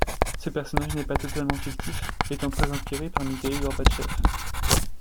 Ce personnage n'est pas totalement fictif, étant très inspiré par Mikhail Gorbatchev.